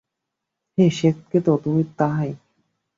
হে শ্বেতকেতো, তুমি তাহাই।